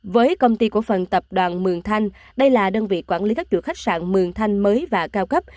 với công ty cổ phần tập đoàn mường thanh đây là đơn vị quản lý các chủ khách sạn mường thanh mới và cao cấp